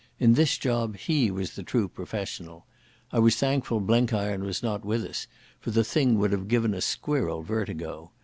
In this job he was the true professional. I was thankful Blenkiron was not with us, for the thing would have given a squirrel vertigo.